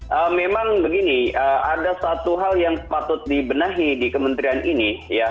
ya memang begini ada satu hal yang patut dibenahi di kementerian ini ya